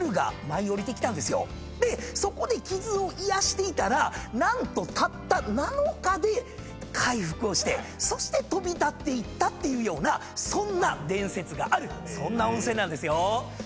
そこで傷を癒やしていたら何とたった７日で回復をしてそして飛び立っていったっていうような伝説があるそんな温泉なんですよ。